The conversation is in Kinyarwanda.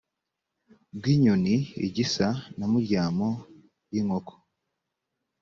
bw inyoni igisa na muryamo y inkoko